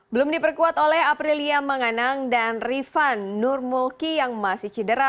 belum diperkuat oleh aprilia manganang dan rifan nurmulki yang masih cedera